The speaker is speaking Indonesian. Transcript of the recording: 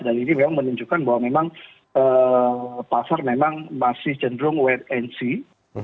dan ini memang menunjukkan bahwa memang pasar memang masih cenderung wait and see